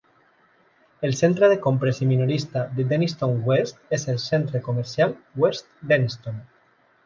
El centre de compres i minorista de Denistone West és el Centre Comercial West Denistone.